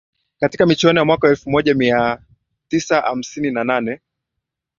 katika michuano ya mwaka elfu moja mia tisa hamsini na nane